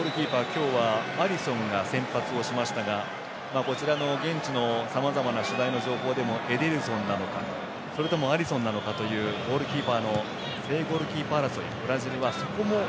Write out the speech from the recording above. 今日はアリソンが先発をしましたが現地のさまざまな取材の情報でもエデルソンなのかそれともアリソンなのかというゴールキーパーの正ゴールキーパー争い。